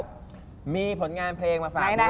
ก็มีผลงานเพลงมาฝากด้วย